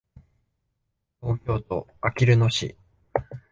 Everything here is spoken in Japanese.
東京都あきる野市